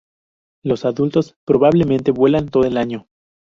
Los adultos probablemente vuelan todo el año.